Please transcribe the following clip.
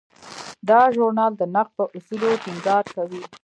دا ژورنال د نقد په اصولو ټینګار کوي.